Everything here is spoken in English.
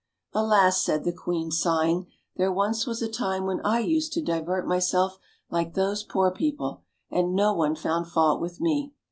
"Alas!" said the queen, sighing, "there once was a time when I used to divert myself like those poor people, and no one found fault with me."